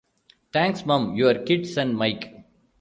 Thanks, Mum..your kid son, Mike.